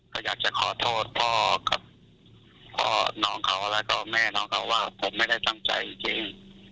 ก็อยากจะขอโทษพ่อกับพ่อน้องเขาแล้วก็แม่น้องเขาว่าผมไม่ได้ตั้งใจจริง